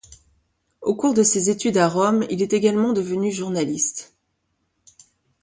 Au cours de ses études à Rome, il est également devenu journaliste.